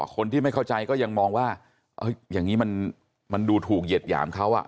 คนที่ไม่เข้าใจก็ยังมองว่าอย่างนี้มันดูถูกเหยียดหยามเขา